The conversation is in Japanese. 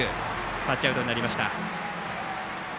タッチアウトになりました。